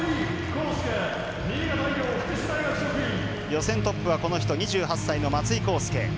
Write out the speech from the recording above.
予選トップはこの人、２８歳の松井浩亮。